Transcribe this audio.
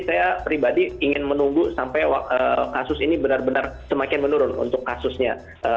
saya pribadi ingin menunggu sampai kasus ini benar benar semakin menurun untuk kasusnya